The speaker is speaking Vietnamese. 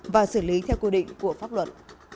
và xử lý theo quy định của pháp luật